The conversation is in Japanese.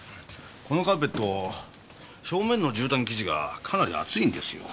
このカーペット表面のじゅうたん生地がかなり厚いんですよ。